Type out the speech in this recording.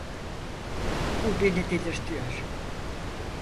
Bu beni delirtiyor.